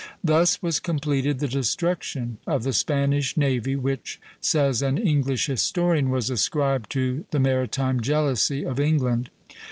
Thus was completed the destruction of the Spanish navy, which, says an English historian, was ascribed to the maritime jealousy of England.